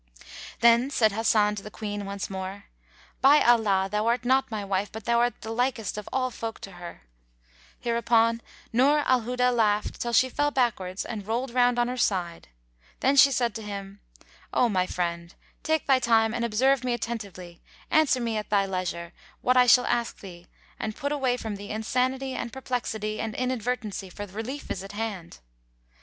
Then said Hasan to the Queen once more, "By Allah, thou art not my wife, but thou art the likest of all folk to her!" Hereupon Nur al Huda laughed till she fell backwards and rolled round on her side.[FN#145] Then she said to him, "O my friend, take thy time and observe me attentively: answer me at thy leisure what I shall ask thee and put away from thee insanity and perplexity and inadvertency for relief is at hand."